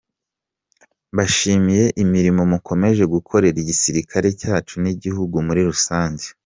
Mbashimiye imirimo mukomeje gukorera igisirikare cyacu n’igihugu muri rusange.